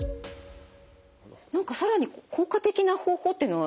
何か更に効果的な方法っていうのはあるんですか？